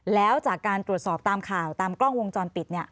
แล้วจากการตรวจสอบตามข่าวตามกล้องวงจรปิด